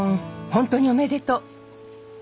本当におめでとう。